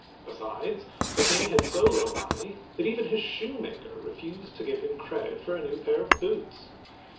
Besides, the king had so little money, that even his shoemaker re fused to give him credit for a pair of new boots